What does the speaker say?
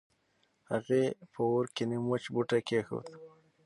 هغې په اور کې نيم وچ بوټی کېښود.